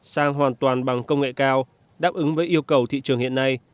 sang hoàn toàn bằng công nghệ cao đáp ứng với yêu cầu thị trường hiện nay